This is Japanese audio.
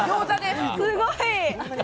すごい。